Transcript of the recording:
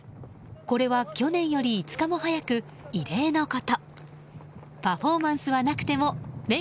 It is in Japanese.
これは去年より５日も早く異例のこと。